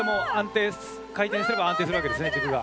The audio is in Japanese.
回転すれば安定するわけですね軸が。